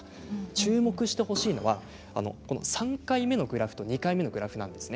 注目してほしいのが３回目と２回目のグラフです。